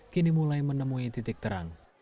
kini mulai menemui titik terang